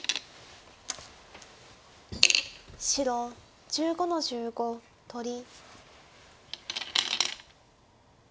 白１５の十五取り。